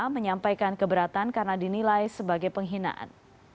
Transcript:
menyampaikan keberatan karena dinilai sebagai penghinaan